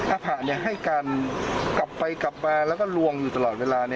อภะให้การกลับไปกลับมาแล้วก็ลวงอยู่ตลอดเวลา